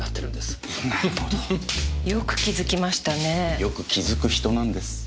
よく気づく人なんです。